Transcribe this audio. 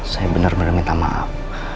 saya benar benar minta maaf